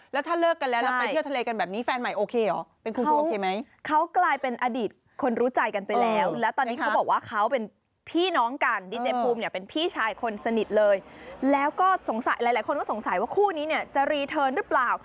หลายคนก็สงสัยว่าคู่นี้จะกลับมาหรือเปล่า